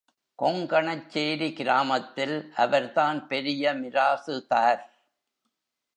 கொங்கணச்சேரி கிராமத்தில் அவர்தான் பெரிய மிராசுதார்.